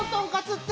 って！